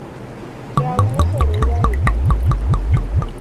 Dau ohero u ahinya